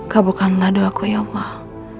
kaburkanlah doaku ya allah